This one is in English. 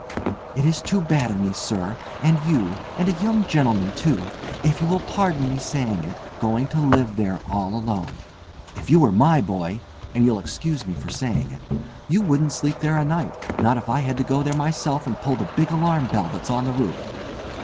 "It is too bad of me, sir, and you—and a young gentlemen, too—if you will pardon me saying it, going to live there all alone. If you were my boy—and you'll excuse me for saying it—you wouldn't sleep there a night, not if I had to go there myself and pull the big alarm bell that's on the roof!"